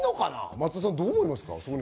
松田さん、どう思いますか？